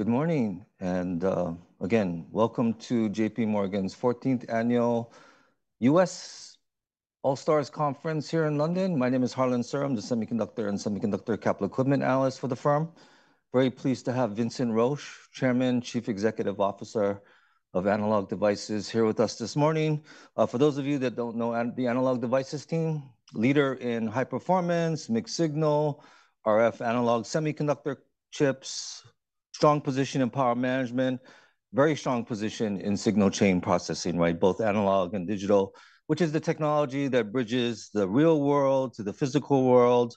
Good morning, and again, welcome to J.P. Morgan's 14th Annual U.S. All-Stars Conference here in London. My name is Harlan Sur, I'm the Semiconductor and Semiconductor Capital Equipment Analyst for the firm. Very pleased to have Vincent Roche, Chairman, Chief Executive Officer of Analog Devices, here with us this morning. For those of you that don't know the Analog Devices team, leader in high performance, mixed signal, RF analog semiconductor chips, strong position in power management, very strong position in signal chain processing, right? Both analog and digital, which is the technology that bridges the real world to the physical world,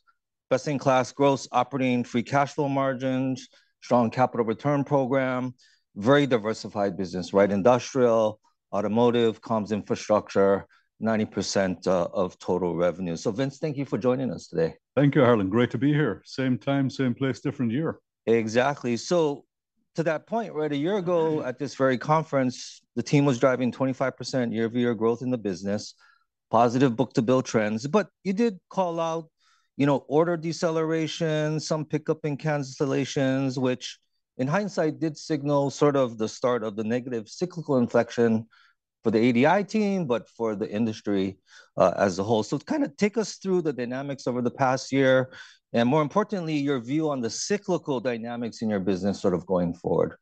best-in-class gross operating free cash flow margins, strong capital return program, very diversified business, right? Industrial, automotive, comms infrastructure, 90% of total revenue. So Vince, thank you for joining us today. Thank you, Harlan. Great to be here. Same time, same place, different year. Exactly. So to that point, right, a year ago at this very conference, the team was driving 25% year-over-year growth in the business, positive book-to-bill trends. But you did call out, you know, order deceleration, some pickup in cancellations, which in hindsight, did signal sort of the start of the negative cyclical inflection for the ADI team, but for the industry, as a whole. So kind of take us through the dynamics over the past year, and more importantly, your view on the cyclical dynamics in your business sort of going forward.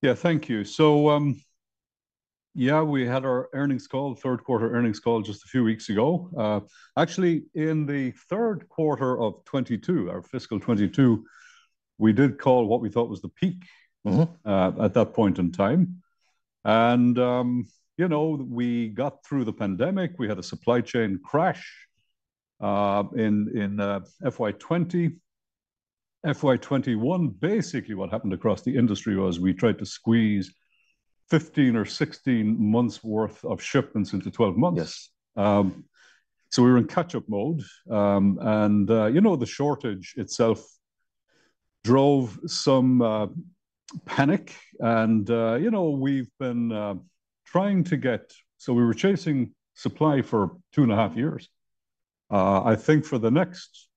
Yeah, thank you. So, yeah, we had our earnings call, third quarter earnings call just a few weeks ago. Actually, in the third quarter of 2022, our fiscal 2022, we did call what we thought was the peak. Mm-hmm At that point in time. And, you know, we got through the pandemic, we had a supply chain crash, in, in, FY 2020. FY 2021, basically, what happened across the industry was we tried to squeeze 15 or 16 months' worth of shipments into 12 months. Yes. So we were in catch-up mode, and, you know, the shortage itself drove some panic and, you know, we've been. So we were chasing supply for 2.5 years. I think for the next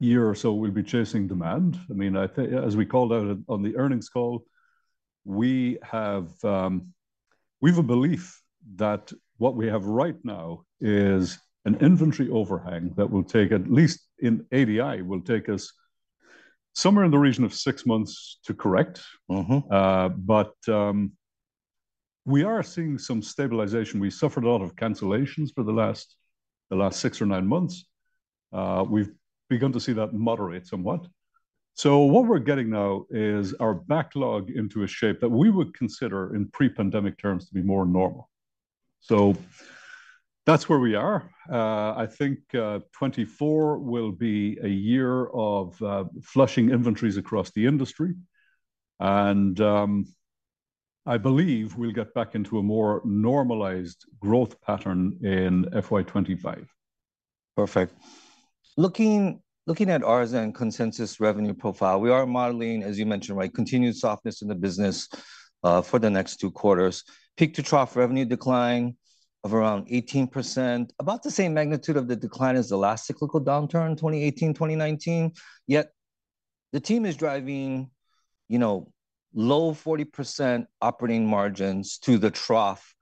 year or so, we'll be chasing demand. I mean, I think, as we called out on the earnings call, we have a belief that what we have right now is an inventory overhang that will take, at least in ADI, will take us somewhere in the region of six months to correct. Mm-hmm. But we are seeing some stabilization. We suffered a lot of cancellations for the last six or nine months. We've begun to see that moderate somewhat. So what we're getting now is our backlog into a shape that we would consider, in pre-pandemic terms, to be more normal. So that's where we are. I think 2024 will be a year of flushing inventories across the industry, and I believe we'll get back into a more normalized growth pattern in FY 2025. Perfect. Looking at ours and consensus revenue profile, we are modeling, as you mentioned, right, continued softness in the business for the next two quarters. Peak to trough revenue decline of around 18%, about the same magnitude of the decline as the last cyclical downturn, 2018, 2019. Yet, the team is driving, you know, low 40% operating margins to the trough,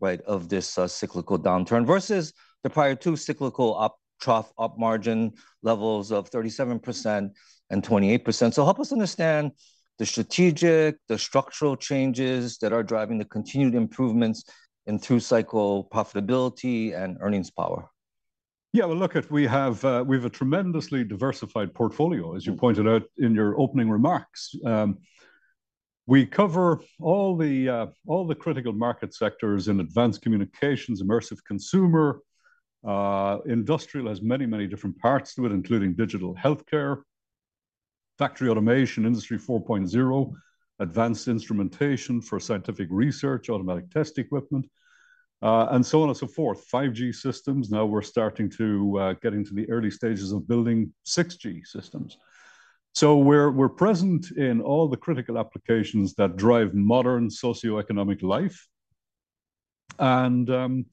right, of this cyclical downturn, versus the prior two cyclical up trough, OP margin levels of 37% and 28%. So help us understand the strategic, the structural changes that are driving the continued improvements in through-cycle profitability and earnings power. Yeah, well, look, we have a tremendously diversified portfolio, as you pointed out in your opening remarks. We cover all the critical market sectors in advanced communications, immersive consumer, industrial has many, many different parts to it, including digital healthcare, factory automation, Industry 4.0, advanced instrumentation for scientific research, automatic test equipment, and so on and so forth. 5G systems, now we're starting to get into the early stages of building 6G systems. So we're present in all the critical applications that drive modern socioeconomic life. And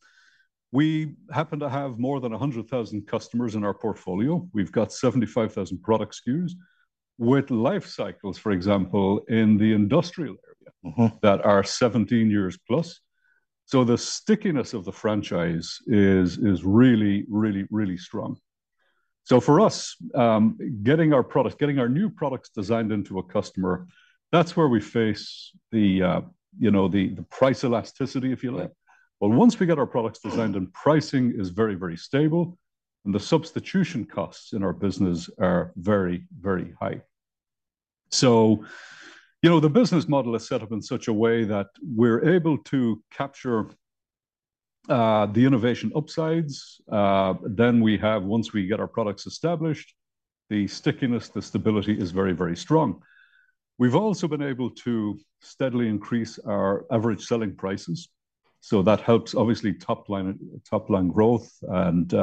we happen to have more than 100,000 customers in our portfolio. We've got 75,000 product SKUs with life cycles, for example, in the industrial area. Mm-hmm That are 17 years plus. So the stickiness of the franchise is really, really, really strong. So for us, getting our product, getting our new products designed into a customer, that's where we face the, you know, the price elasticity, if you like. But once we get our products designed, then pricing is very, very stable, and the substitution costs in our business are very, very high. So, you know, the business model is set up in such a way that we're able to capture the innovation upsides, then we have, once we get our products established, the stickiness, the stability is very, very strong. We've also been able to steadily increase our average selling prices, so that helps, obviously, top line, top line growth, and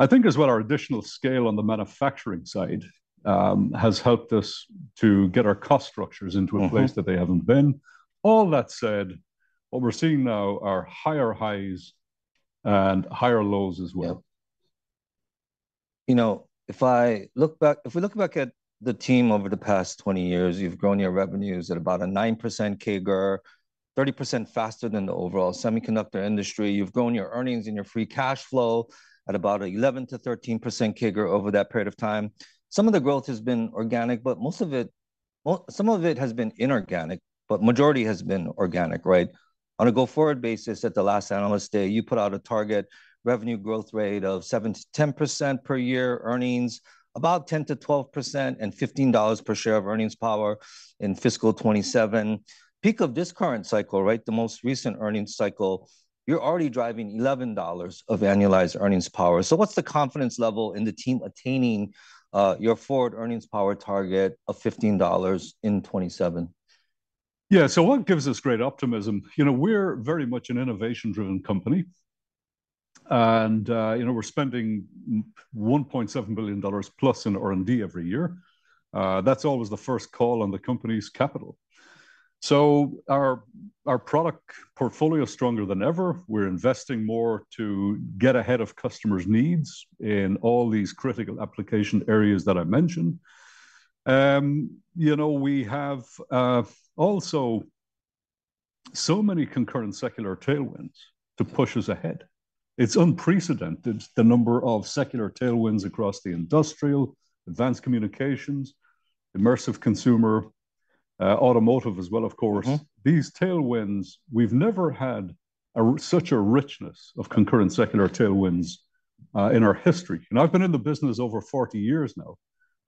I think as well, our additional scale on the manufacturing side, has helped us to get our cost structures into- Mm-hmm... a place that they haven't been. All that said, what we're seeing now are higher highs and higher lows as well. You know, if I look back, if we look back at the team over the past 20 years, you've grown your revenues at about a 9% CAGR, 30% faster than the overall semiconductor industry. You've grown your earnings and your free cash flow at about 11%-13% CAGR over that period of time. Some of the growth has been organic, but most of it- well, some of it has been inorganic, but majority has been organic, right? On a go-forward basis, at the last Analyst Day, you put out a target revenue growth rate of 7%-10% per year, earnings about 10%-12%, and $15 per share of earnings power in fiscal 2027. Peak of this current cycle, right, the most recent earnings cycle, you're already driving $11 of annualized earnings power. What's the confidence level in the team attaining your forward earnings power target of $15 in 2027? Yeah, so what gives us great optimism, you know, we're very much an innovation-driven company, and, you know, we're spending $1.7 billion plus in R&D every year. That's always the first call on the company's capital. So our product portfolio is stronger than ever. We're investing more to get ahead of customers' needs in all these critical application areas that I mentioned. You know, we have also so many concurrent secular tailwinds to push us ahead. It's unprecedented, the number of secular tailwinds across the industrial, advanced communications, immersive consumer, automotive as well, of course. Mm-hmm. These tailwinds, we've never had such a richness of concurrent secular tailwinds in our history. And I've been in the business over 40 years now,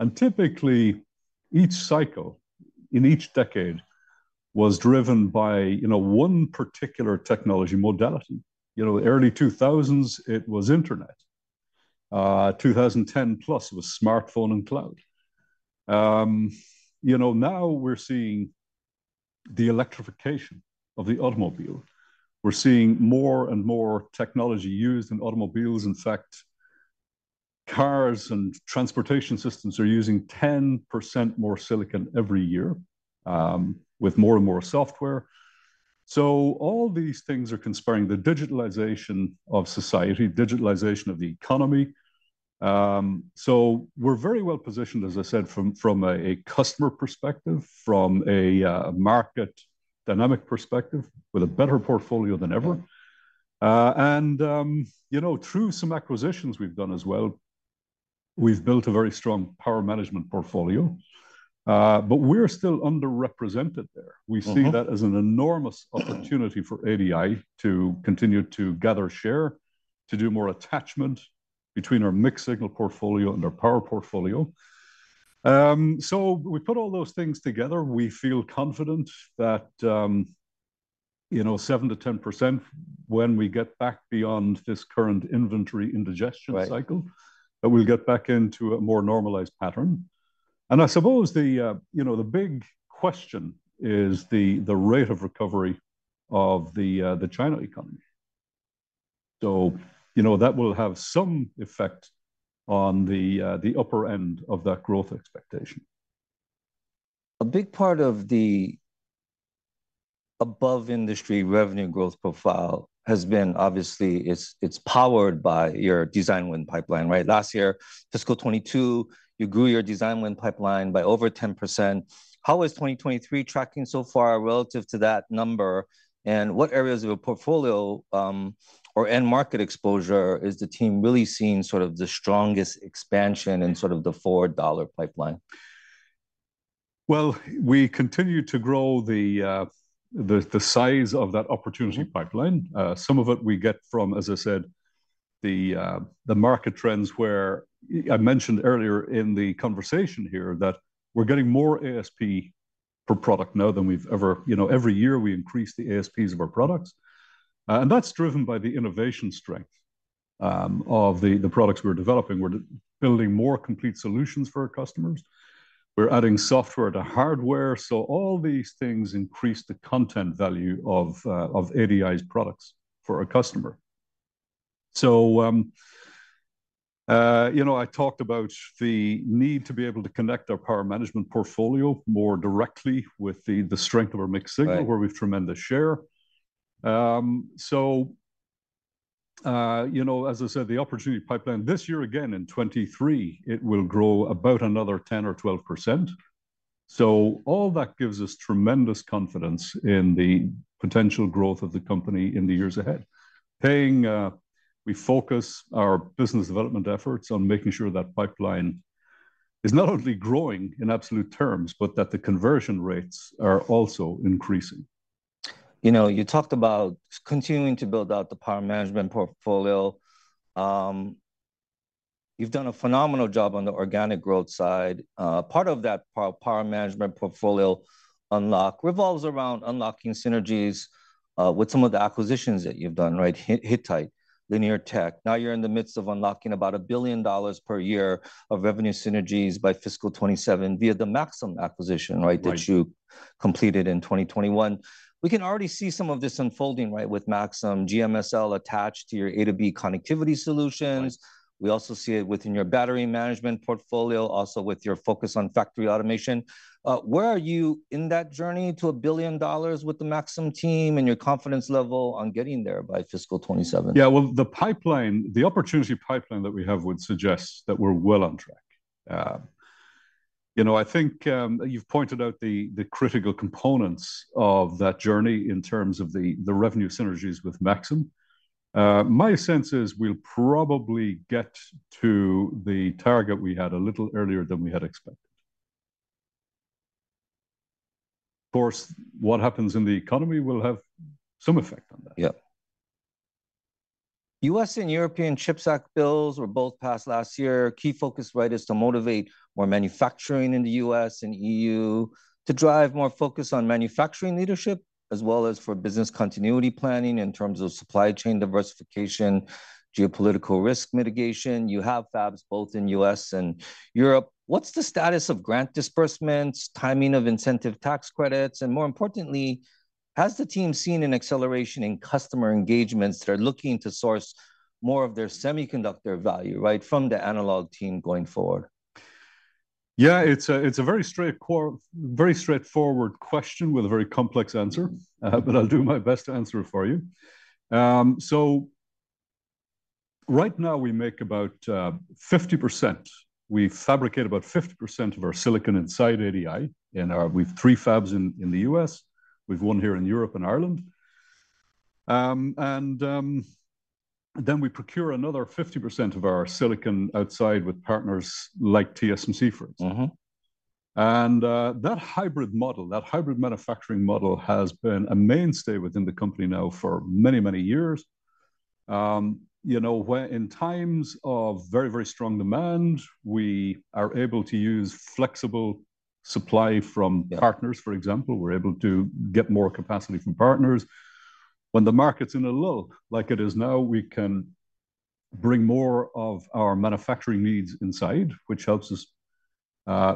and typically, each cycle in each decade was driven by, you know, one particular technology modality. You know, the early 2000s, it was internet. 2010 plus, it was smartphone and cloud. You know, now we're seeing the electrification of the automobile. We're seeing more and more technology used in automobiles. In fact, cars and transportation systems are using 10% more silicon every year, with more and more software. So all these things are conspiring, the digitalization of society, digitalization of the economy. So we're very well positioned, as I said, from a customer perspective, from a market dynamic perspective, with a better portfolio than ever. And, you know, through some acquisitions we've done as well, we've built a very strong power management portfolio, but we're still underrepresented there. Mm-hmm. We see that as an enormous opportunity for ADI to continue to gather share, to do more attachment between our mixed-signal portfolio and our power portfolio. So we put all those things together. We feel confident that, you know, 7%-10% when we get back beyond this current inventory indigestion cycle. Right That we'll get back into a more normalized pattern. And I suppose, you know, the big question is the rate of recovery of the China economy. So, you know, that will have some effect on the upper end of that growth expectation. A big part of the above-industry revenue growth profile has been, obviously, it's powered by your design win pipeline, right? Last year, fiscal 2022, you grew your design win pipeline by over 10%. How is 2023 tracking so far relative to that number, and what areas of your portfolio, or end market exposure is the team really seeing sort of the strongest expansion in sort of the forward dollar pipeline? Well, we continue to grow the size of that opportunity pipeline. Some of it we get from, as I said, the market trends, where I mentioned earlier in the conversation here that we're getting more ASP per product now than we've ever. You know, every year, we increase the ASPs of our products, and that's driven by the innovation strength of the products we're developing. We're building more complete solutions for our customers. We're adding software to hardware. So all these things increase the content value of ADI's products for a customer. You know, I talked about the need to be able to connect our power management portfolio more directly with the strength of our mixed-signal- Right Where we've tremendous share. So, you know, as I said, the opportunity pipeline, this year again in 2023, it will grow about another 10%-12%. So all that gives us tremendous confidence in the potential growth of the company in the years ahead. [Paying], we focus our business development efforts on making sure that pipeline is not only growing in absolute terms, but that the conversion rates are also increasing. You know, you talked about continuing to build out the power management portfolio. You've done a phenomenal job on the organic growth side. Part of that power management portfolio unlock revolves around unlocking synergies with some of the acquisitions that you've done, right? Hittite, Linear Tech. Now, you're in the midst of unlocking about $1 billion per year of revenue synergies by fiscal 2027 via the Maxim acquisition, right? Right. That you completed in 2021. We can already see some of this unfolding, right, with Maxim GMSL attached to your A2B connectivity solutions. Right. We also see it within your battery management portfolio, also with your focus on factory automation. Where are you in that journey to $1 billion with the Maxim team, and your confidence level on getting there by fiscal 2027? Yeah, well, the pipeline, the opportunity pipeline that we have would suggest that we're well on track. You know, I think, you've pointed out the, the critical components of that journey in terms of the, the revenue synergies with Maxim. My sense is we'll probably get to the target we had a little earlier than we had expected. Of course, what happens in the economy will have some effect on that. Yeah. U.S. and European Chips Act bills were both passed last year. Key focus, right, is to motivate more manufacturing in the U.S. and E.U. to drive more focus on manufacturing leadership, as well as for business continuity planning in terms of supply chain diversification, geopolitical risk mitigation. You have fabs both in U.S. and Europe. What's the status of grant disbursements, timing of incentive tax credits, and more importantly, has the team seen an acceleration in customer engagements that are looking to source more of their semiconductor value, right, from the analog team going forward? Yeah, it's a, it's a very straightforward question with a very complex answer, but I'll do my best to answer it for you. So right now we make about 50%. We fabricate about 50% of our silicon inside ADI, and we've three fabs in the U.S. We've one here in Europe and Ireland. And then we procure another 50% of our silicon outside with partners like TSMC, for instance. Mm-hmm. That hybrid model, that hybrid manufacturing model, has been a mainstay within the company now for many, many years. You know, where in times of very, very strong demand, we are able to use flexible supply from- Yeah... partners, for example. We're able to get more capacity from partners. When the market's in a lull, like it is now, we can bring more of our manufacturing needs inside, which helps us,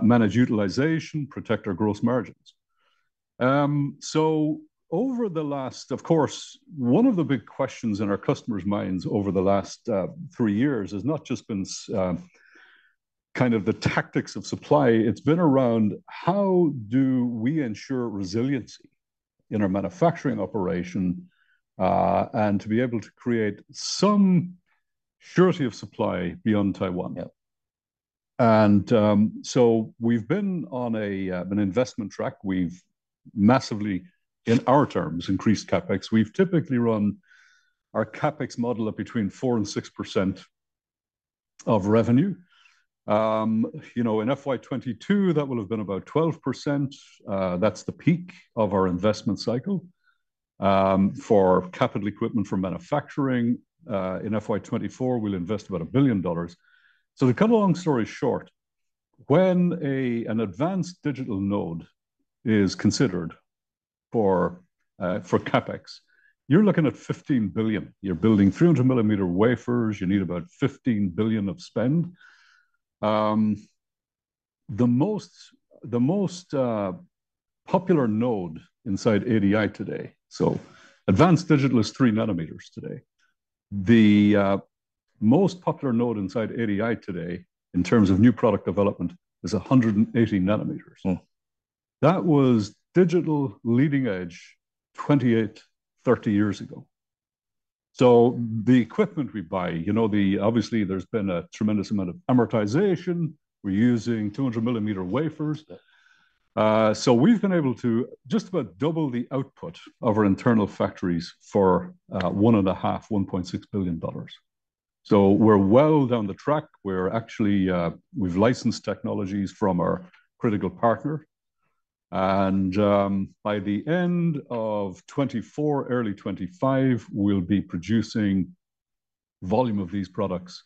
manage utilization, protect our gross margins. So over the last—Of course, one of the big questions in our customers' minds over the last, three years has not just been kind of the tactics of supply. It's been around: How do we ensure resiliency in our manufacturing operation, and to be able to create some surety of supply beyond Taiwan? Yeah. So we've been on an investment track. We've massively, in our terms, increased CapEx. We've typically run our CapEx model at between 4% and 6% of revenue. You know, in FY 2022, that will have been about 12%. That's the peak of our investment cycle. For capital equipment for manufacturing, in FY 2024, we'll invest about $1 billion. So to cut a long story short, when an advanced digital node is considered for CapEx, you're looking at $15 billion. You're building 300 mm wafers, you need about $15 billion of spend. The most popular node inside ADI today. So advanced digital is 3 nm today. The most popular node inside ADI today, in terms of new product development, is 180 nm. Mm. That was digital leading edge 28, 30 years ago. So the equipment we buy, you know, obviously, there's been a tremendous amount of amortization. We're using 200 mm wafers. Yeah. So we've been able to just about double the output of our internal factories for $1.5 billion, $1.6 billion. So we're well down the track. We're actually, we've licensed technologies from our critical partner. And by the end of 2024, early 2025, we'll be producing volume of these products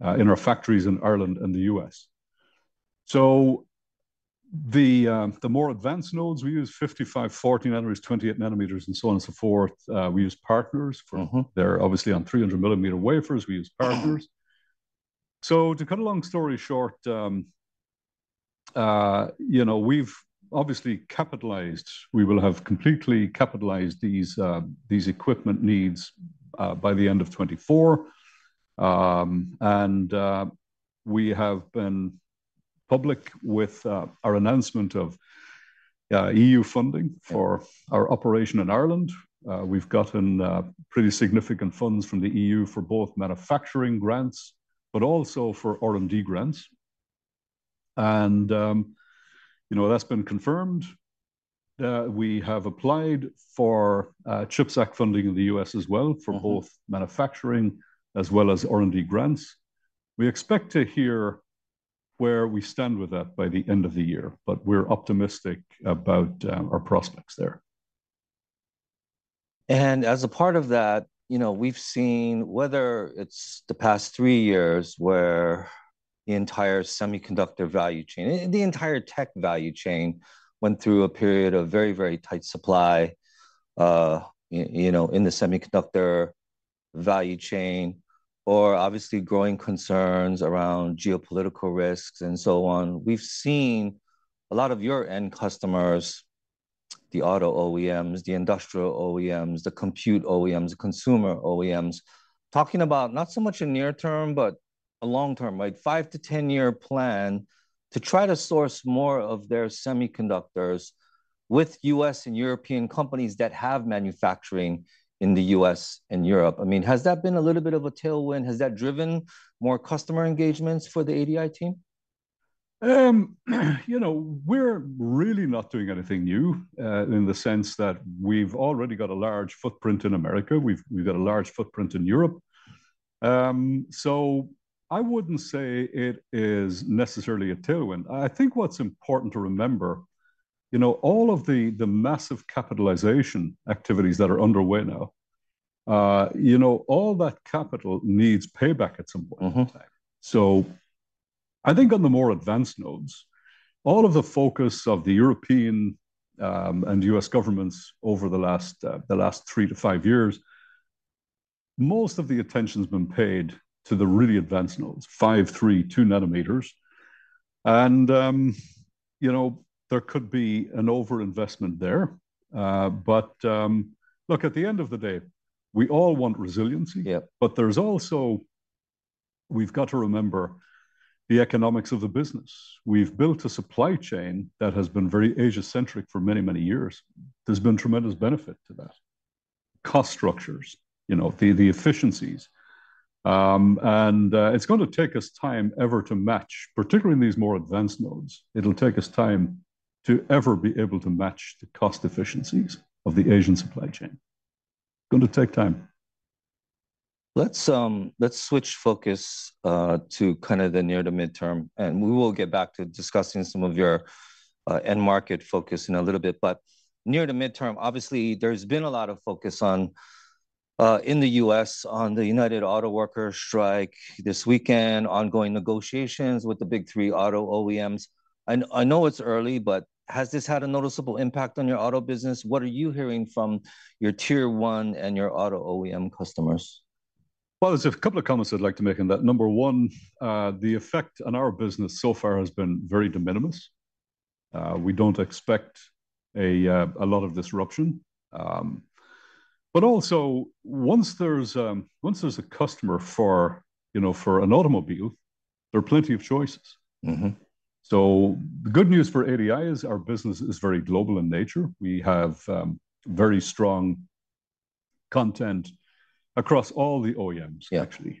in our factories in Ireland and the U.S. So the more advanced nodes, we use 55, 40 nm, 28 nm, and so on and so forth. We use partners for- Mm-hmm. They're obviously on 300 mm wafers. We use partners. So to cut a long story short, you know, we've obviously capitalized. We will have completely capitalized these equipment needs by the end of 2024. We have been public with our announcement of EU funding for our operation in Ireland. We've gotten pretty significant funds from the EU for both manufacturing grants, but also for R&D grants. You know, that's been confirmed. We have applied for CHIPS Act funding in the U.S. as well- Mm-hmm... for both manufacturing as well as R&D grants. We expect to hear where we stand with that by the end of the year, but we're optimistic about our prospects there. As a part of that, you know, we've seen whether it's the past three years, where the entire semiconductor value chain, the entire tech value chain, went through a period of very, very tight supply, you know, in the semiconductor value chain, or obviously growing concerns around geopolitical risks and so on. We've seen a lot of your end customers, the auto OEMs, the industrial OEMs, the compute OEMs, the consumer OEMs, talking about not so much a near term, but a long term, like five- to 10-year plan, to try to source more of their semiconductors with U.S. and European companies that have manufacturing in the U.S. and Europe. I mean, has that been a little bit of a tailwind? Has that driven more customer engagements for the ADI team? You know, we're really not doing anything new in the sense that we've already got a large footprint in America. We've, we've got a large footprint in Europe. So I wouldn't say it is necessarily a tailwind. I think what's important to remember, you know, all of the, the massive capitalization activities that are underway now, you know, all that capital needs payback at some point in time. Mm-hmm. So I think on the more advanced nodes, all of the focus of the European and U.S. governments over the last three to five years, most of the attention's been paid to the really advanced nodes, 5, 3, 2 nm. And you know, there could be an overinvestment there. But look, at the end of the day, we all want resiliency. Yeah. But there's also, we've got to remember the economics of the business. We've built a supply chain that has been very Asia-centric for many, many years. There's been tremendous benefit to that: cost structures, you know, the efficiencies. It's gonna take us time ever to match, particularly in these more advanced nodes, it'll take us time to ever be able to match the cost efficiencies of the Asian supply chain. Gonna take time. Let's switch focus to kind of the near to midterm, and we will get back to discussing some of your end market focus in a little bit. But near to midterm, obviously, there's been a lot of focus on in the U.S. on the United Auto Workers strike this weekend, ongoing negotiations with the Big Three auto OEMs. I know it's early, but has this had a noticeable impact on your auto business? What are you hearing from your Tier 1 and your auto OEM customers? Well, there's a couple of comments I'd like to make on that. Number one, the effect on our business so far has been very de minimis. We don't expect a lot of disruption. But also once there's a customer for, you know, for an automobile, there are plenty of choices. Mm-hmm. So the good news for ADI is our business is very global in nature. We have very strong content across all the OEMs- Yeah Actually.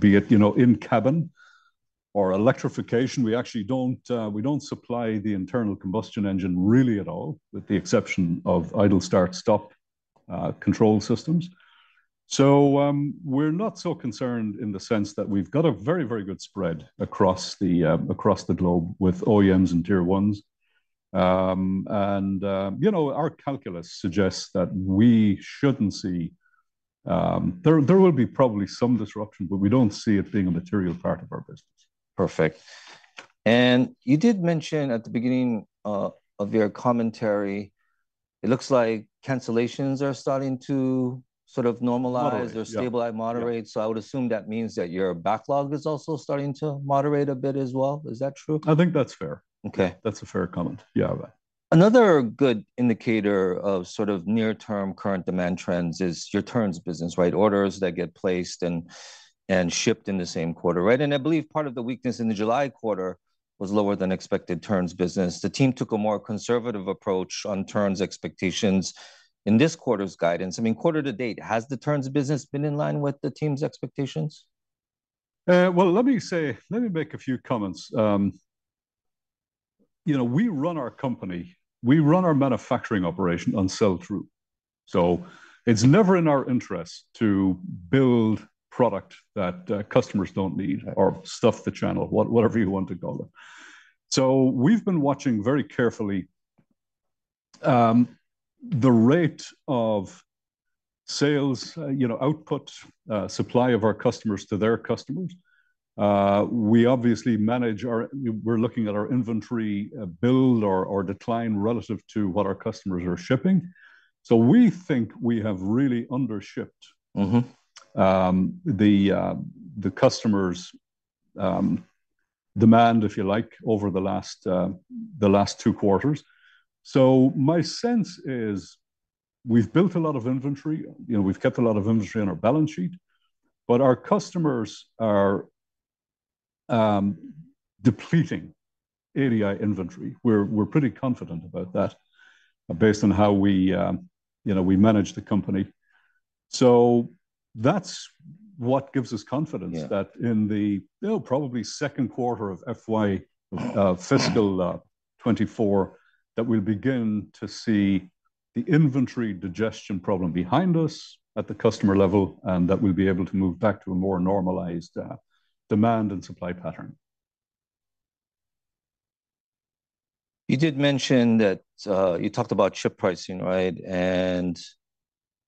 Be it, you know, in-cabin or electrification, we actually don't, we don't supply the internal combustion engine really at all, with the exception of idle start/stop, control systems. So, we're not so concerned in the sense that we've got a very, very good spread across the, across the globe with OEMs and Tier 1s. And, you know, our calculus suggests that we shouldn't see... There will be probably some disruption, but we don't see it being a material part of our business. Perfect. And you did mention at the beginning, of your commentary, it looks like cancellations are starting to sort of normalize- Moderate, yeah Or stabilize, moderate. Yeah. So I would assume that means that your backlog is also starting to moderate a bit as well. Is that true? I think that's fair. Okay. That's a fair comment. Yeah. Another good indicator of sort of near-term current demand trends is your turns business, right? Orders that get placed and shipped in the same quarter, right? I believe part of the weakness in the July quarter was lower-than-expected turns business. The team took a more conservative approach on turns expectations in this quarter's guidance. I mean, quarter to date, has the turns business been in line with the team's expectations? Well, let me say, let me make a few comments. You know, we run our company, we run our manufacturing operation on sell-through, so it's never in our interest to build product that customers don't need. Yeah Or stuff the channel, whatever you want to call it. So we've been watching very carefully the rate of sales, you know, output, supply of our customers to their customers. We obviously manage our inventory; we're looking at our inventory build or decline relative to what our customers are shipping. So we think we have really undershipped- Mm-hmm The customers' demand, if you like, over the last two quarters. So my sense is, we've built a lot of inventory, you know, we've kept a lot of inventory on our balance sheet, but our customers are depleting ADI inventory. We're pretty confident about that based on how we, you know, we manage the company. So that's what gives us confidence- Yeah That in the, oh, probably second quarter of FY, fiscal, 2024, that we'll begin to see the inventory digestion problem behind us at the customer level, and that we'll be able to move back to a more normalized, demand and supply pattern. You did mention that, you talked about chip pricing, right? And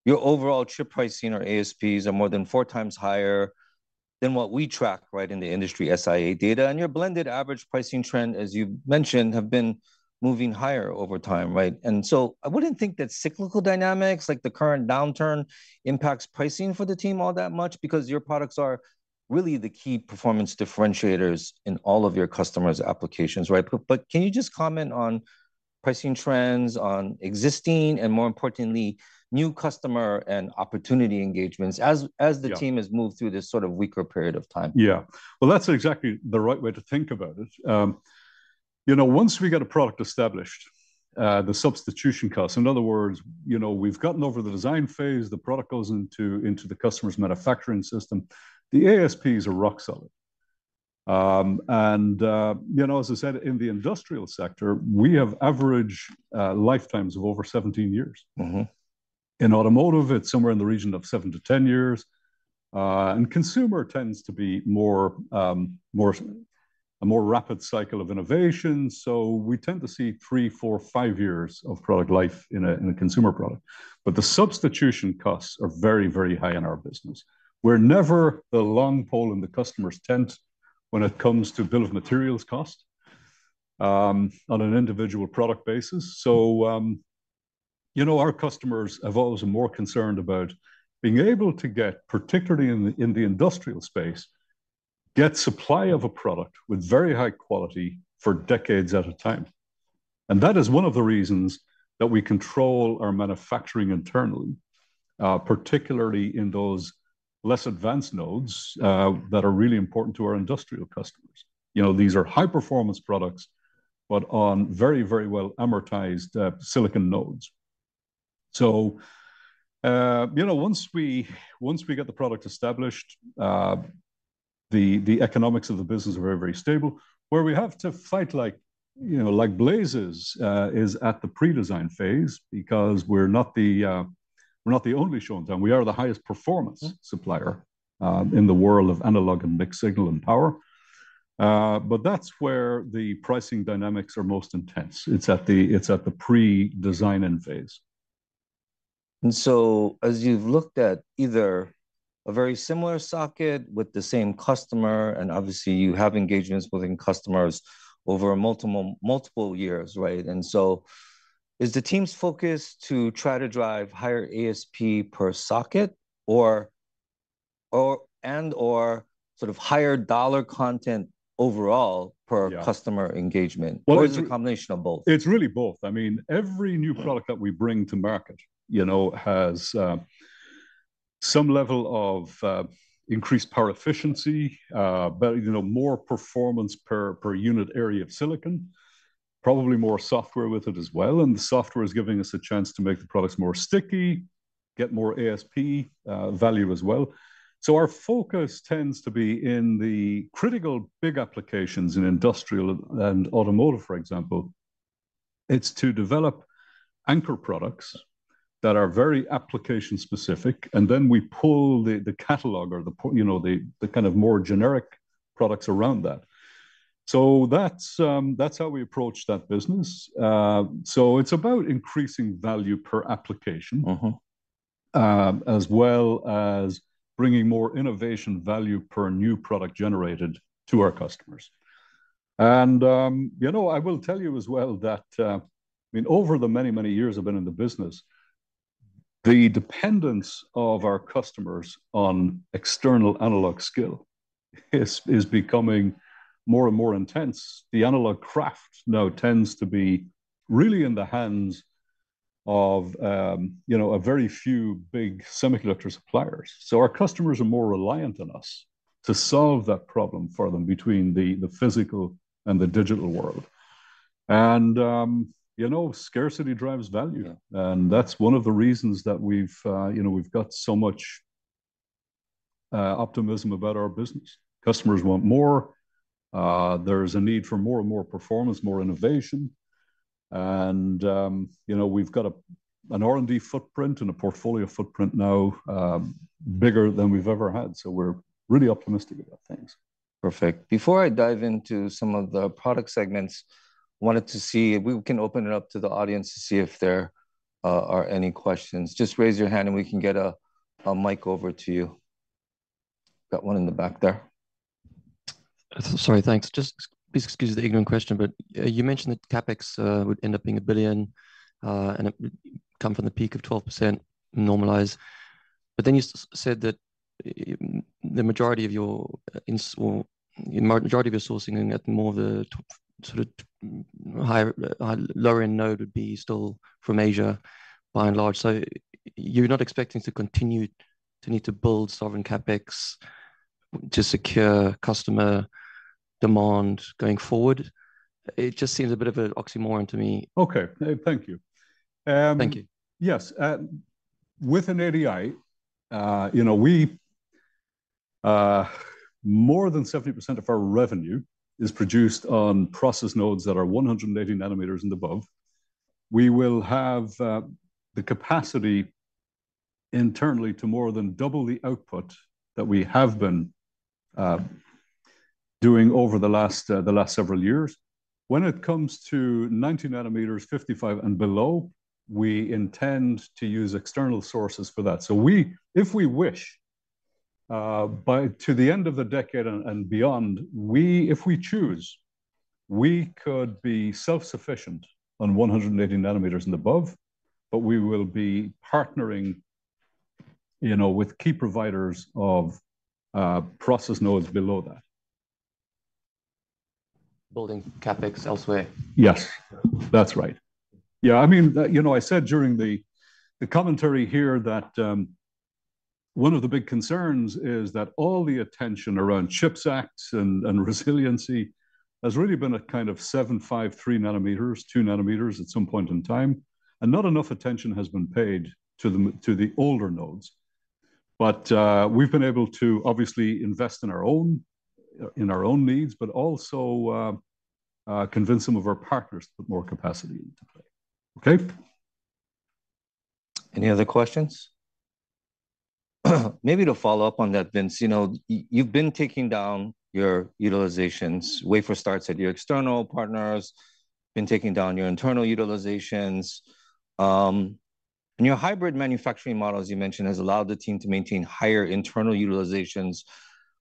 your overall chip pricing or ASPs are more than four times higher than what we track, right, in the industry, SIA data. And your blended average pricing trend, as you mentioned, have been moving higher over time, right? And so I wouldn't think that cyclical dynamics, like the current downturn, impacts pricing for the team all that much because your products are really the key performance differentiators in all of your customers' applications, right? But, but can you just comment on pricing trends on existing and, more importantly, new customer and opportunity engagements? Yeah As the team has moved through this sort of weaker period of time? Yeah. Well, that's exactly the right way to think about it. You know, once we get a product established, the substitution cost, in other words, you know, we've gotten over the design phase, the product goes into the customer's manufacturing system, the ASPs are rock solid. And, you know, as I said, in the industrial sector, we have average lifetimes of over 17 years. Mm-hmm. In automotive, it's somewhere in the region of 7-10 years. And consumer tends to be more, a more rapid cycle of innovation, so we tend to see three, four, five years of product life in a consumer product. But the substitution costs are very, very high in our business. We're never the long pole in the customer's tent when it comes to bill of materials cost, on an individual product basis. So, you know, our customers have always been more concerned about being able to get, particularly in the industrial space, supply of a product with very high quality for decades at a time. And that is one of the reasons that we control our manufacturing internally, particularly in those less advanced nodes, that are really important to our industrial customers. You know, these are high-performance products, but on very, very well-amortized silicon nodes. So, you know, once we, once we get the product established, the economics of the business are very, very stable. Where we have to fight like, you know, like blazes, is at the pre-design phase, because we're not the only show in town. We are the highest performance supplier- Mm. in the world of analog and mixed signal and power. But that's where the pricing dynamics are most intense. It's at the pre-design-in phase. And so as you've looked at either a very similar socket with the same customer, and obviously you have engagements with customers over multiple, multiple years, right? Is the team's focus to try to drive higher ASP per socket or, or, and/or sort of higher dollar content overall- Yeah. per customer engagement? Well, it's- Or it's a combination of both? It's really both. I mean, every new product that we bring to market, you know, has some level of increased power efficiency, but, you know, more performance per unit area of silicon, probably more software with it as well, and the software is giving us a chance to make the products more sticky, get more ASP value as well. So our focus tends to be in the critical big applications in industrial and automotive, for example. It's to develop anchor products that are very application specific, and then we pull the catalog or you know, the kind of more generic products around that. So that's how we approach that business. So it's about increasing value per application- Mm-hmm. As well as bringing more innovation value per new product generated to our customers. And, you know, I will tell you as well that, I mean, over the many, many years I've been in the business, the dependence of our customers on external analog skill is becoming more and more intense. The analog craft now tends to be really in the hands of, you know, a very few big semiconductor suppliers. So our customers are more reliant on us to solve that problem for them between the physical and the digital world. And, you know, scarcity drives value. Yeah. That's one of the reasons that we've, you know, we've got so much optimism about our business. Customers want more. There's a need for more and more performance, more innovation. You know, we've got an R&D footprint and a portfolio footprint now, bigger than we've ever had, so we're really optimistic about things. Perfect. Before I dive into some of the product segments, wanted to see if we can open it up to the audience to see if there are any questions. Just raise your hand and we can get a mic over to you. Got one in the back there. Sorry, thanks. Just please excuse the ignorant question, but you mentioned that CapEx would end up being $1 billion, and it would come from the peak of 12% normalized. But then you said that the majority of your sourcing and get more of the sort of higher lower-end node would be still from Asia, by and large. So you're not expecting to continue to need to build sovereign CapEx to secure customer demand going forward? It just seems a bit of an oxymoron to me. Okay, thank you. Thank you. Yes, within ADI, you know, we more than 70% of our revenue is produced on process nodes that are 180 nm and above. We will have the capacity internally to more than double the output that we have been doing over the last several years. When it comes to 90 nm, 55 and below, we intend to use external sources for that. So, if we wish, by the end of the decade and beyond, we, if we choose, we could be self-sufficient on 180 nm and above, but we will be partnering, you know, with key providers of process nodes below that. Building CapEx elsewhere? Yes, that's right. Yeah, I mean, you know, I said during the, the commentary here that, One of the big concerns is that all the attention around CHIPS Act and, and resiliency has really been a kind of 7, 5, 3 nm, 2 nm at some point in time, and not enough attention has been paid to the, to the older nodes. But, we've been able to obviously invest in our own, in our own needs, but also, convince some of our partners to put more capacity into play. Okay? Any other questions? Maybe to follow up on that, Vince, you know, you've been taking down your utilizations, wafer starts at your external partners, been taking down your internal utilizations. And your hybrid manufacturing model, as you mentioned, has allowed the team to maintain higher internal utilizations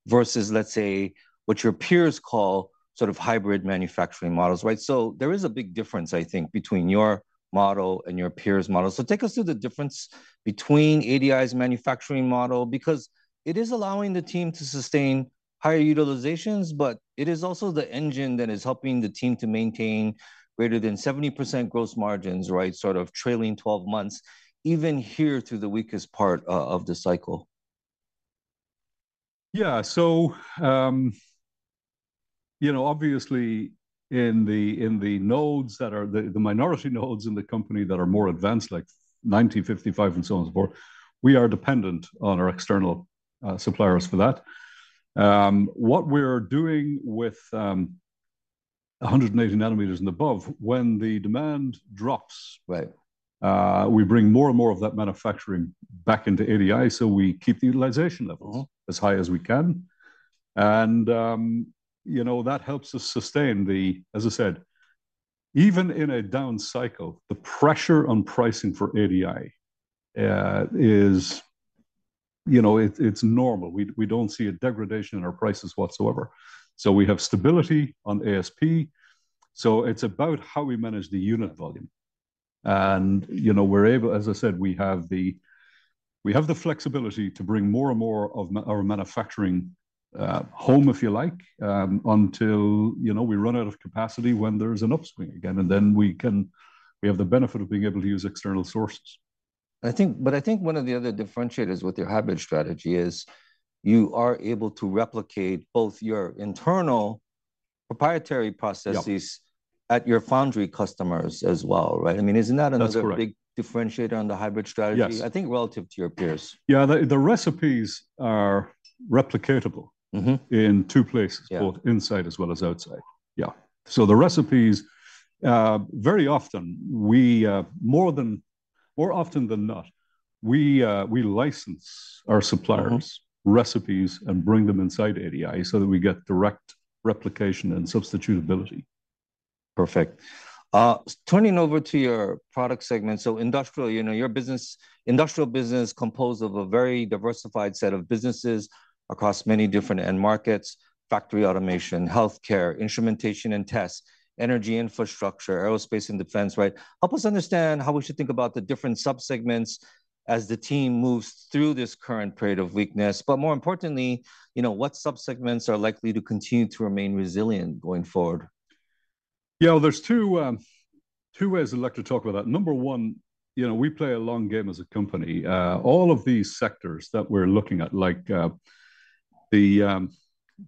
versus, let's say, what your peers call sort of hybrid manufacturing models, right? So there is a big difference, I think, between your model and your peers' model. So take us through the difference between ADI's manufacturing model, because it is allowing the team to sustain higher utilizations, but it is also the engine that is helping the team to maintain greater than 70% gross margins, right? Sort of trailing twelve months, even here through the weakest part of the cycle. Yeah. So, you know, obviously, in the nodes that are the minority nodes in the company that are more advanced, like 90, 55, and so on and so forth, we are dependent on our external suppliers for that. What we're doing with 180 nm and above, when the demand drops- Right We bring more and more of that manufacturing back into ADI, so we keep the utilization levels- Mm-hmm. -as high as we can. And, you know, that helps us sustain the. As I said, even in a down cycle, the pressure on pricing for ADI is, you know, it's normal. We don't see a degradation in our prices whatsoever. So we have stability on ASP, so it's about how we manage the unit volume. And, you know, we're able. As I said, we have the flexibility to bring more and more of our manufacturing home, if you like, until, you know, we run out of capacity when there's an upswing again, and then we have the benefit of being able to use external sources. I think, but I think one of the other differentiators with your hybrid strategy is you are able to replicate both your internal proprietary processes- Yeah. at your foundry customers as well, right? I mean, isn't that another- That's correct. big differentiator on the hybrid strategy Yes. I think, relative to your peers? Yeah, the recipes are replicatable- Mm-hmm. in two places Yeah... both inside as well as outside. Yeah. So the recipes, very often, more often than not, we license our suppliers' recipes and bring them inside ADI so that we get direct replication and substitutability. Perfect. Turning over to your product segment, so industrial, you know, your business, industrial business composed of a very diversified set of businesses across many different end markets: factory automation, healthcare, instrumentation and test, energy infrastructure, aerospace and defense, right? Help us understand how we should think about the different subsegments as the team moves through this current period of weakness, but more importantly, you know, what subsegments are likely to continue to remain resilient going forward? Yeah, well, there's two, two ways I'd like to talk about that. Number one, you know, we play a long game as a company. All of these sectors that we're looking at, like, the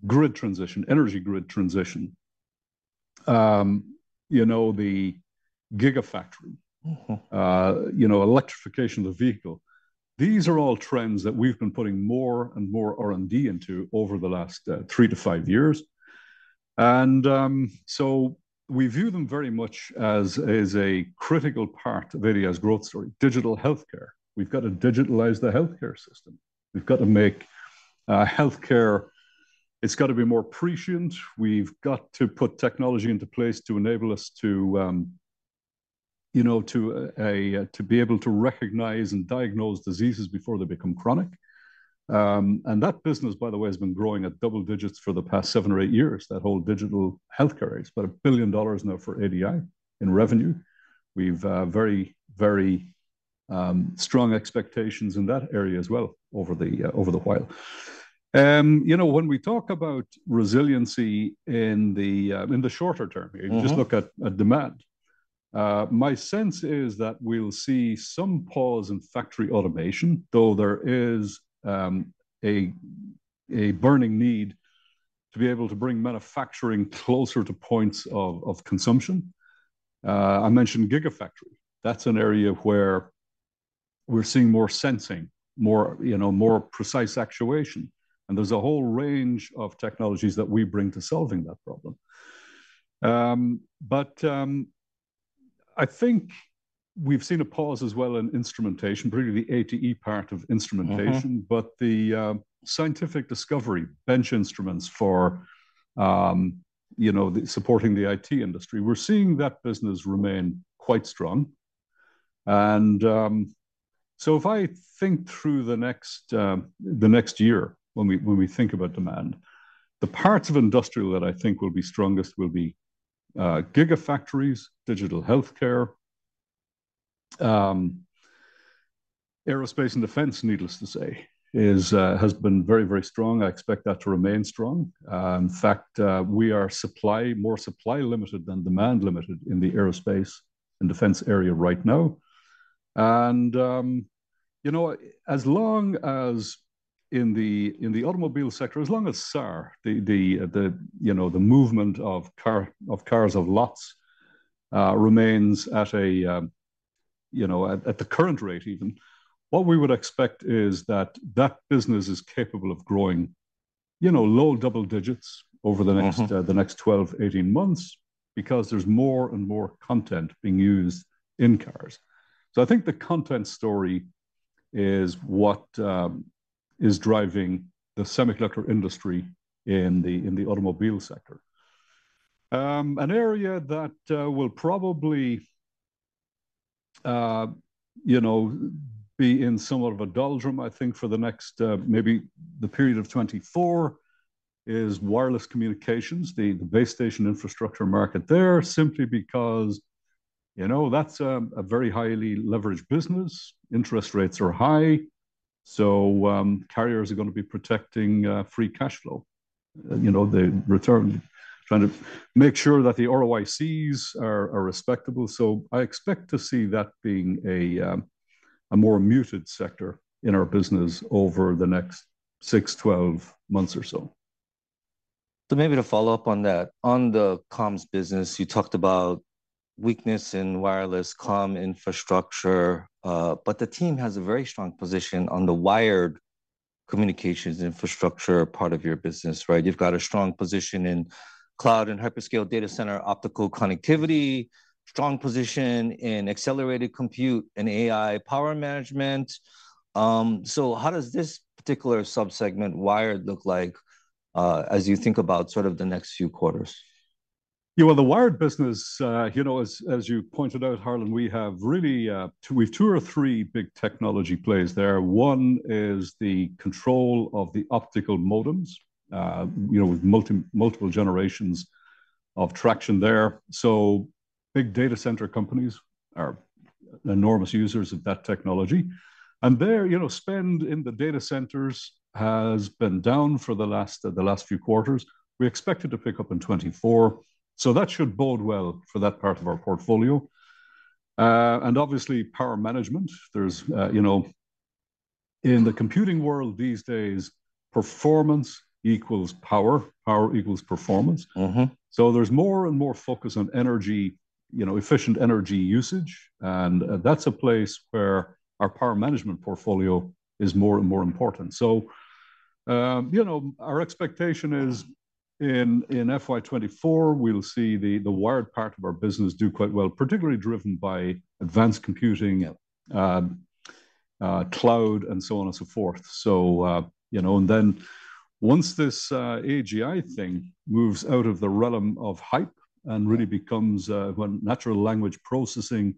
grid transition, energy grid transition, you know, the gigafactory- Mm-hmm. You know, electrification of the vehicle, these are all trends that we've been putting more and more R&D into over the last three to five years. And so we view them very much as a critical part of ADI's growth story. Digital healthcare. We've got to digitalize the healthcare system. We've got to make healthcare... It's got to be more prescient. We've got to put technology into place to enable us to, you know, to be able to recognize and diagnose diseases before they become chronic. And that business, by the way, has been growing at double digits for the past seven or eight years, that whole digital healthcare. It's about $1 billion now for ADI in revenue. We've very, very strong expectations in that area as well over the while. You know, when we talk about resiliency in the shorter term- Mm-hmm You just look at demand. My sense is that we'll see some pause in factory automation, though there is a burning need to be able to bring manufacturing closer to points of consumption. I mentioned gigafactory. That's an area where we're seeing more sensing, you know, more precise actuation, and there's a whole range of technologies that we bring to solving that problem. But I think we've seen a pause as well in instrumentation, particularly the ATE part of instrumentation. Mm-hmm. But the scientific discovery, bench instruments for, you know, supporting the IT industry, we're seeing that business remain quite strong. And so if I think through the next year, when we think about demand, the parts of industrial that I think will be strongest will be gigafactories, digital healthcare. Aerospace and defense, needless to say, has been very, very strong. I expect that to remain strong. In fact, we are more supply-limited than demand-limited in the aerospace and defense area right now. You know, as long as in the automobile sector, as long as SAAR, you know, the movement of cars, of lots remains at a, you know, at the current rate even, what we would expect is that that business is capable of growing, you know, low double digits over the next- Uh-huh. The next 12-18 months, because there's more and more content being used in cars. So I think the content story is what is driving the semiconductor industry in the automobile sector. An area that will probably, you know, be in somewhat of a doldrums, I think, for the next, maybe the period of 24, is wireless communications, the base station infrastructure market there, simply because, you know, that's a very highly leveraged business. Interest rates are high, so carriers are gonna be protecting free cash flow. You know, they're trying to make sure that the ROICs are respectable. So I expect to see that being a more muted sector in our business over the next 6-12 months or so. So maybe to follow up on that, on the comms business, you talked about weakness in wireless comm infrastructure, but the team has a very strong position on the wired communications infrastructure part of your business, right? You've got a strong position in cloud and hyperscale data center, optical connectivity, strong position in accelerated compute and AI power management. So how does this particular subsegment wired look like, as you think about sort of the next few quarters? Yeah, well, the wired business, you know, as you pointed out, Harlan, we have really two or three big technology plays there. One is the control of the optical modems, you know, with multiple generations of traction there. So big data center companies are enormous users of that technology. And their, you know, spend in the data centers has been down for the last few quarters. We expect it to pick up in 2024, so that should bode well for that part of our portfolio. And obviously, power management, there's, you know... In the computing world these days, performance equals power, power equals performance. Mm-hmm. So there's more and more focus on energy, you know, efficient energy usage, and that's a place where our power management portfolio is more and more important. So, you know, our expectation is in FY 2024, we'll see the wired part of our business do quite well, particularly driven by advanced computing, cloud, and so on and so forth. So, you know, and then once this AGI thing moves out of the realm of hype and really becomes, when natural language processing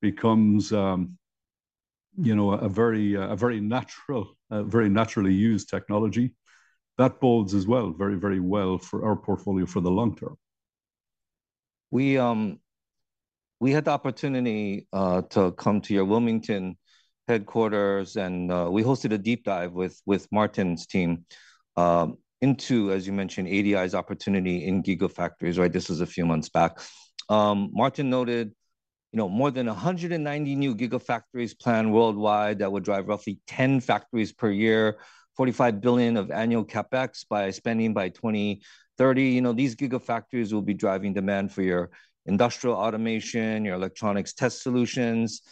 becomes, you know, a very, a very natural, a very naturally used technology, that bodes as well, very, very well for our portfolio for the long term. We had the opportunity to come to your Wilmington headquarters, and we hosted a deep dive with Martin's team into, as you mentioned, ADI's opportunity in gigafactories, right? This was a few months back. Martin noted, you know, more than 190 new gigafactories planned worldwide that would drive roughly 10 factories per year, $45 billion of annual CapEx spending by 2030. You know, these gigafactories will be driving demand for your industrial automation, your electronics test solutions.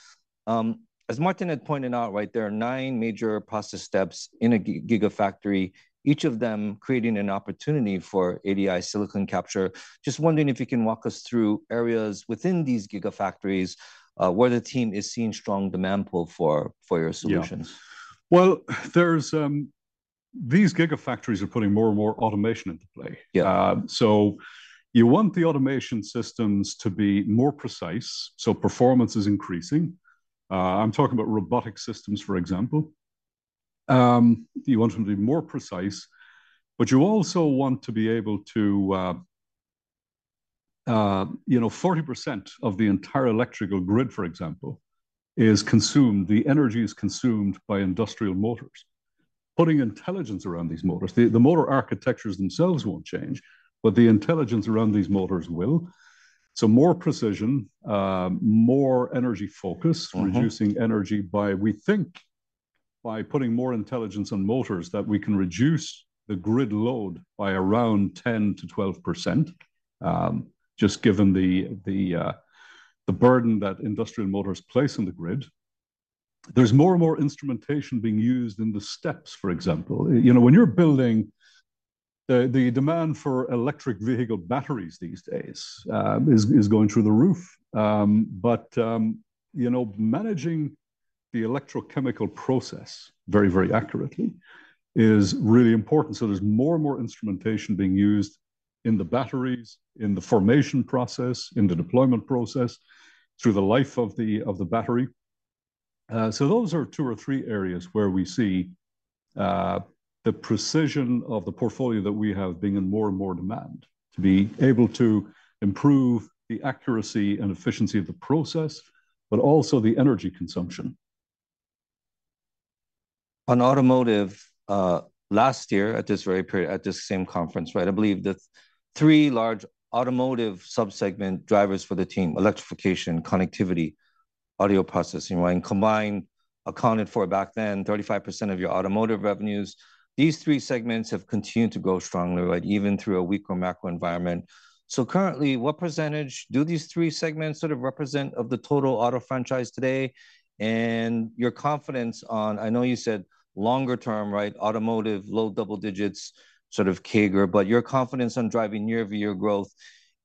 As Martin had pointed out, right, there are nine major process steps in a gigafactory, each of them creating an opportunity for ADI silicon capture. Just wondering if you can walk us through areas within these gigafactories where the team is seeing strong demand pull for your solutions. Yeah. Well, there's these gigafactories are putting more and more automation into play. Yeah. So you want the automation systems to be more precise, so performance is increasing. I'm talking about robotic systems, for example. You want them to be more precise, but you also want to be able to, you know, 40% of the entire electrical grid, for example, is consumed, the energy is consumed by industrial motors. Putting intelligence around these motors, the motor architectures themselves won't change, but the intelligence around these motors will. So more precision, more energy focus- Mm-hmm. -reducing energy by, we think by putting more intelligence on motors, that we can reduce the grid load by around 10%-12%, just given the burden that industrial motors place on the grid. There's more and more instrumentation being used in the steps, for example. You know, when you're building, the demand for electric vehicle batteries these days is going through the roof. But you know, managing the electrochemical process very, very accurately is really important. So there's more and more instrumentation being used in the batteries, in the formation process, in the deployment process, through the life of the battery. So those are two or three areas where we see, the precision of the portfolio that we have being in more and more demand, to be able to improve the accuracy and efficiency of the process, but also the energy consumption. On automotive, last year, at this very period, at this same conference, right? I believe the three large automotive sub-segment drivers for the team, electrification, connectivity, audio processing, right? And combined accounted for back then 35% of your automotive revenues. These three segments have continued to grow strongly, right, even through a weaker macro environment. So currently, what percentage do these three segments sort of represent of the total auto franchise today? And your confidence on, I know you said longer term, right, automotive, low double digits, sort of CAGR, but your confidence on driving year-over-year growth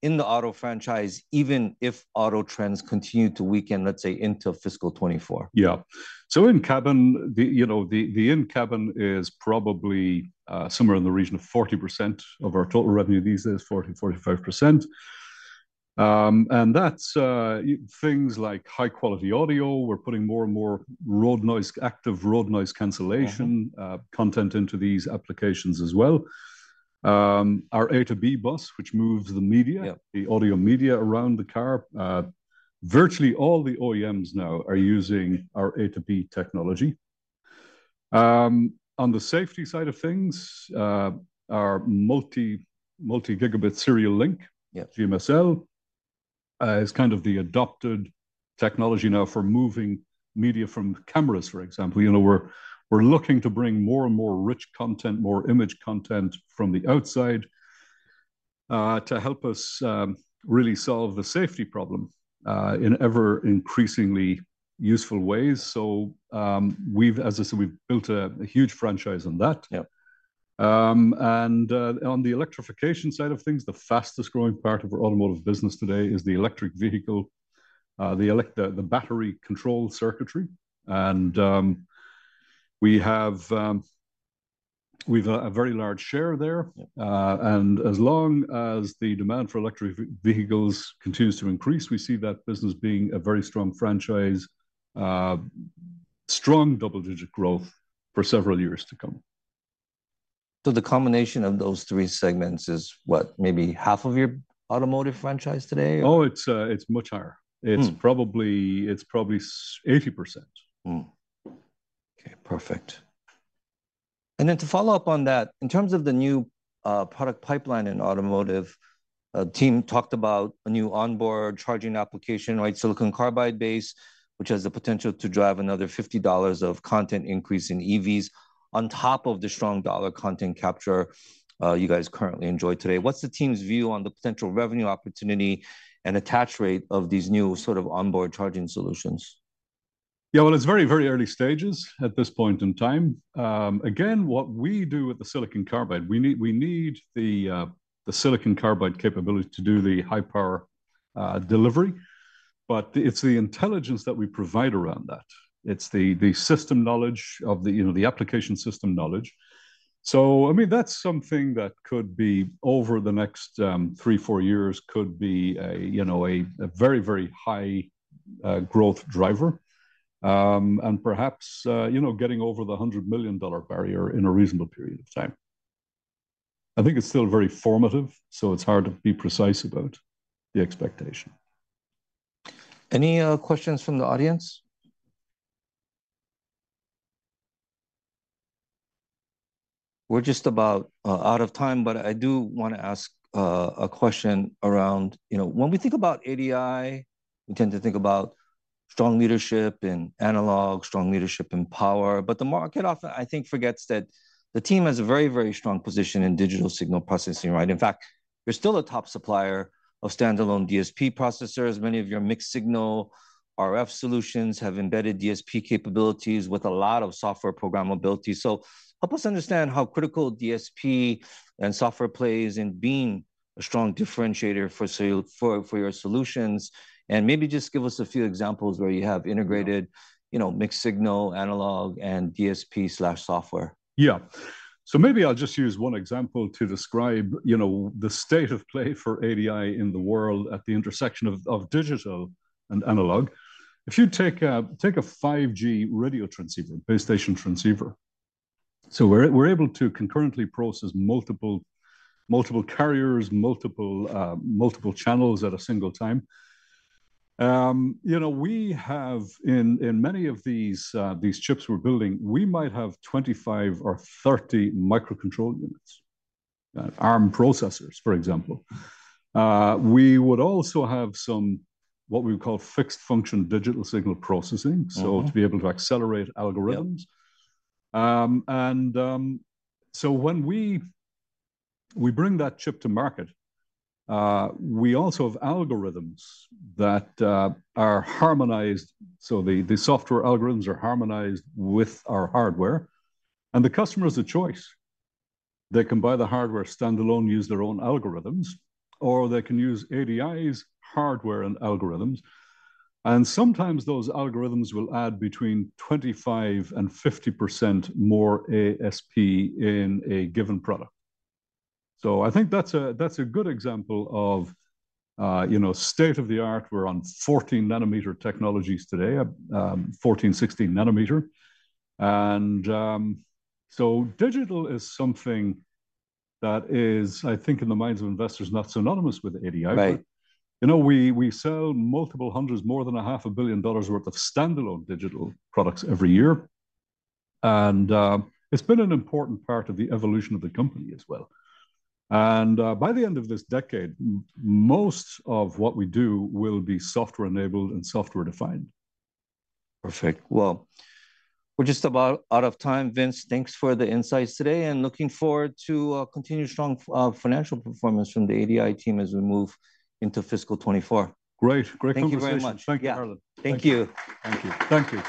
in the auto franchise, even if auto trends continue to weaken, let's say, until fiscal 2024. Yeah. So in-cabin, you know, the in-cabin is probably somewhere in the region of 40% of our total revenue these days, 40%-45%. And that's things like high-quality audio. We're putting more and more road noise, active road noise cancellation- Mm-hmm. Content into these applications as well. Our A2B bus, which moves the media. Yeah The audio media around the car, virtually all the OEMs now are using our A2B technology. On the safety side of things, our multi-gigabit serial link- Yeah GMSL is kind of the adopted technology now for moving media from cameras, for example. You know, we're looking to bring more and more rich content, more image content from the outside to help us really solve the safety problem in ever increasingly useful ways. So, we've, as I said, built a huge franchise on that. Yeah. On the electrification side of things, the fastest growing part of our automotive business today is the electric vehicle, the battery control circuitry. We've a very large share there. Yeah. As long as the demand for electric vehicles continues to increase, we see that business being a very strong franchise, strong double-digit growth for several years to come. The combination of those three segments is what? Maybe half of your automotive franchise today? Oh, it's much higher. Mm. It's probably 80%. Okay, perfect. And then to follow up on that, in terms of the new product pipeline in automotive, the team talked about a new onboard charging application, right? Silicon carbide-based, which has the potential to drive another $50 of content increase in EVs on top of the strong dollar content capture, you guys currently enjoy today. What's the team's view on the potential revenue opportunity and attach rate of these new sort of onboard charging solutions? Yeah, well, it's very, very early stages at this point in time. Again, what we do with the silicon carbide, we need the silicon carbide capability to do the high-power delivery, but it's the intelligence that we provide around that. It's the system knowledge of the, you know, the application system knowledge. So, I mean, that's something that could be, over the next three, four years, could be a, you know, a very, very high growth driver. And perhaps, you know, getting over the $100 million barrier in a reasonable period of time. I think it's still very formative, so it's hard to be precise about the expectation. Any questions from the audience? We're just about out of time, but I do wanna ask a question around, you know, when we think about ADI, we tend to think about strong leadership in analog, strong leadership in power, but the market often, I think, forgets that the team has a very, very strong position in digital signal processing, right? In fact, you're still a top supplier of standalone DSP processors. Many of your mixed signal RF solutions have embedded DSP capabilities with a lot of software programmability. So help us understand how critical DSP and software plays in being a strong differentiator for your solutions, and maybe just give us a few examples where you have integrated, you know, mixed signal, analog, and DSP/software. Yeah. So maybe I'll just use one example to describe, you know, the state of play for ADI in the world at the intersection of digital and analog. If you take a 5G radio transceiver, base station transceiver, so we're able to concurrently process multiple carriers, multiple channels at a single time. You know, we have in many of these chips we're building, we might have 25 or 30 microcontroller units, Arm processors, for example. We would also have some, what we would call fixed function digital signal processing- Mm-hmm... so to be able to accelerate algorithms. Yeah. And so when we bring that chip to market, we also have algorithms that are harmonized, so the software algorithms are harmonized with our hardware, and the customer has a choice. They can buy the hardware standalone, use their own algorithms, or they can use ADI's hardware and algorithms, and sometimes those algorithms will add between 25% and 50% more ASP in a given product. So I think that's a good example of, you know, state-of-the-art. We're on 14 nm technologies today, 14, 16 nm. So digital is something that is, I think, in the minds of investors, not synonymous with ADI. Right. You know, we, we sell multiple hundreds, more than $500 million worth of standalone digital products every year, and, it's been an important part of the evolution of the company as well. And, by the end of this decade, most of what we do will be software-enabled and software-defined. Perfect. Well, we're just about out of time, Vince. Thanks for the insights today, and looking forward to continued strong financial performance from the ADI team as we move into fiscal 2024. Great. Great conversation. Thank you very much. Thank you, Harlan. Thank you. Thank you. Thank you.